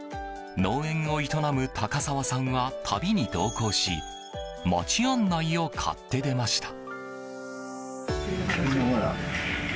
農園を営む高沢さんは旅に同行し町案内を買って出ました。